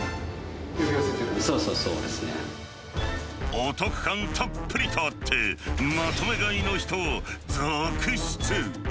お得感たっぷりとあって、まとめ買いの人続出。